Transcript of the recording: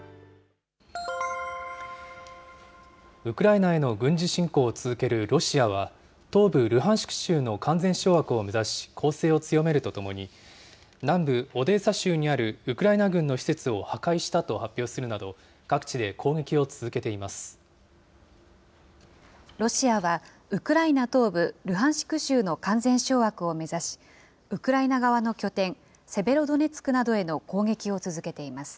ウクライナへの軍事侵攻を続けるロシアは、東部ルハンシク州の完全掌握を目指し、攻勢を強めるとともに、南部オデーサ州にあるウクライナ軍の施設を破壊したと発表するなロシアは、ウクライナ東部ルハンシク州の完全掌握を目指し、ウクライナ側の拠点、セベロドネツクなどへの攻撃を続けています。